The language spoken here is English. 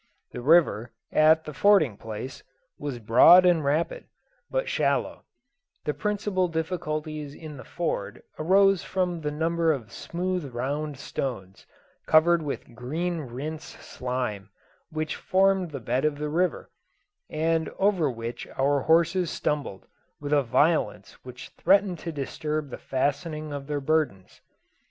The river, at the fording place, was broad and rapid, but shallow; the principal difficulties in the ford arose from the number of smooth round stones, covered with green rince slime, which formed the bed of the river, and over which our horses stumbled, with a violence which threatened to disturb the fastening of their burdens.